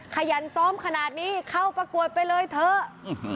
ขยันซ้อมขนาดนี้เข้าประกวดไปเลยเถอะ